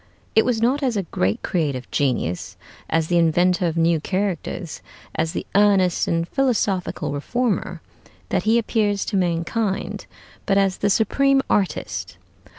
It was not as a great creative genius, as the inventor of new characters, as the earnest and philosophical reformer, that he appears to mankind, but as the supreme artist.